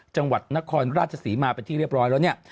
จังหวัดนครราชศรีมาเป็นที่เรียบร้อยแล้วเนี่ย